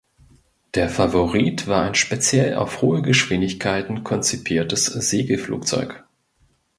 Der Favorit war ein speziell auf hohe Geschwindigkeiten konzipiertes Segelflugzeug.